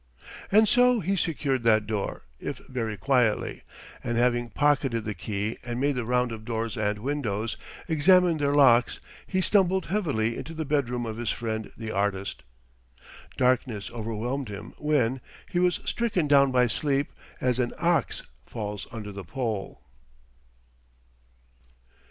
And so he secured that door, if very quietly; and having pocketed the key and made the round of doors and windows, examining their locks, he stumbled heavily into the bedroom of his friend the artist. Darkness overwhelmed him then: he was stricken down by sleep as an ox falls under the pole.